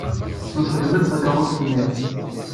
Nṣeggem-d takeṛṛust-nni.